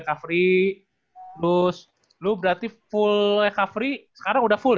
covery lu berarti full recovery sekarang udah full ya